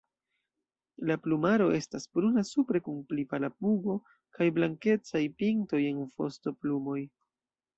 La plumaro estas bruna supre kun pli pala pugo kaj blankecaj pintoj en vostoplumoj.